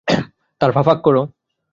তার পা ফাঁক করো।